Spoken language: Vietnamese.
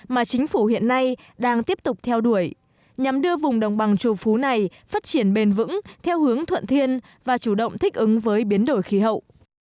mà chính phủ hiện nay đang tiếp tục theo đuổi nhằm đưa vùng đồng bằng trù phú này phát triển bền vững theo hướng thuận thiên và chủ động thích ứng với biến đổi khí hậu